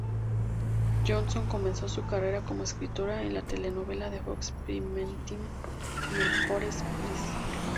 Johnson comenzó su carrera como escritora en la telenovela de Fox primetime "Melrose Place".